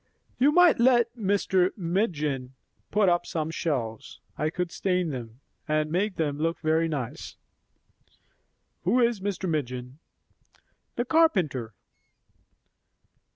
"You might let Mr. Midgin put up some shelves I could stain them, and make them look very nice." "Who is Mr. Midgin?" "The carpenter."